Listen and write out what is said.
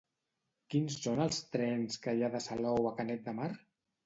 Quins són els trens que hi ha de Salou a Canet de Mar?